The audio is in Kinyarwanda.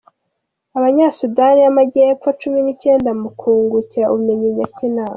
Abanyasudani y’Amajyepfo cumi n’icyenda mu kungukira ubumenyi i Nyakinama